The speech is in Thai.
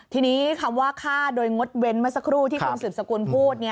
ทีนี้คำว่าฆ่าโดยงดเว้นเมื่อสักครู่ที่คุณสืบสกุลพูด